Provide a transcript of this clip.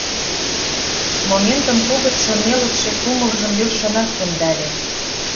Моментым кугытшо-нелытше кумылжым йӧршынак темдале.